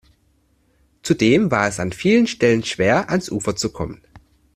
Zudem war es an vielen Stellen schwer, ans Ufer zu kommen.